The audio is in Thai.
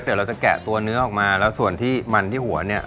เดี๋ยวเราจะแกะตัวเนื้อออกมาแล้วส่วนที่มันที่หัวเนี่ย